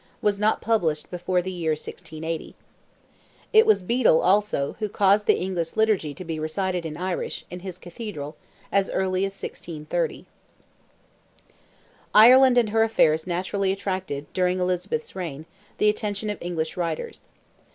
was not published before the year 1680. It was Bedel, also, who caused the English liturgy to be recited in Irish, in his Cathedral, as early as 1630. Ireland and her affairs naturally attracted, during Elizabeth's reign, the attention of English writers.